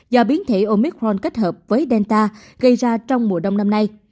do biến thể omicron kết hợp với delta gây ra trong mùa đông năm nay